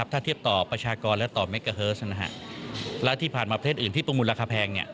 ถ้าเทียบต่อประชากรและต่อเมกาเฮิร์สและที่ผ่านมาเพศอื่นที่ประมูลราคาแพง